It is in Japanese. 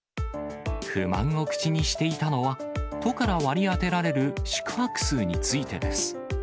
不満を口にしていたのは、都から割り当てられる宿泊数についてです。